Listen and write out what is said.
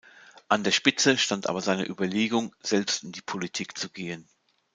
An der Spitze stand aber seine Überlegung, selbst in die Politik zu gehen.